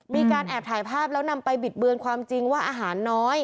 มีการแอบถ่ายภาพแล้วนำไปบิดเบือนความจริงว่าอาหารน้อย